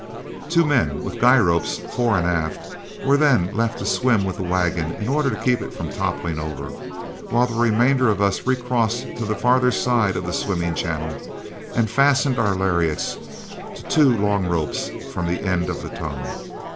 Two men, with guy ropes fore and aft, were then left to swim with the wagon in order to keep it from toppling over, while the remainder of us recrossed to the farther side of the swimming channel, and fastened our lariats to two long ropes from the end of the tongue.